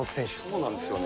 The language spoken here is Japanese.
そうなんですよね。